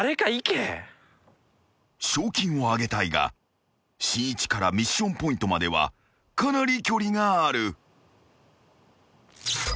［賞金を上げたいがしんいちからミッションポイントまではかなり距離がある］